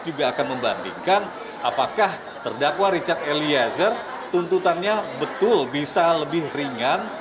juga akan membandingkan apakah terdakwa richard eliezer tuntutannya betul bisa lebih ringan